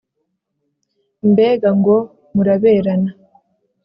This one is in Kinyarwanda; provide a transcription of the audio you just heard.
mbega ngo muraberana!"